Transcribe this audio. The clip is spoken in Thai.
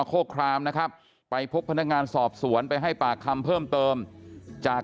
โคครามนะครับไปพบพนักงานสอบสวนไปให้ปากคำเพิ่มเติมจาก